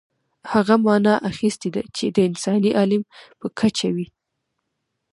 هغه معنا اخیستې ده چې د انساني عالم په کچه وي.